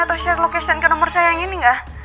atau share location ke nomor saya yang ini enggak